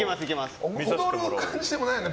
踊る感じでもないよね